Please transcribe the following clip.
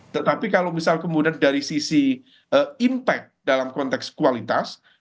tetapi kalau misal kemudian dari sisi impact dalam konteks kualitas